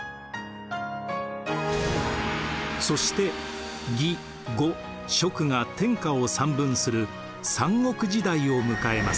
そして魏呉蜀が天下を三分する三国時代を迎えます。